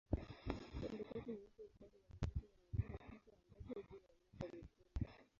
Pembetatu nyeupe upande wa nguzo unaonyesha picha ya ndege juu ya nyota nyekundu.